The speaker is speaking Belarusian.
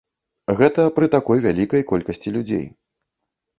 Гэта пры такой вялікай колькасці людзей.